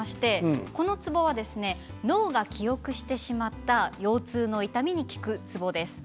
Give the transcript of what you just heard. このツボは脳が記憶してしまった腰痛の痛みに効くツボです。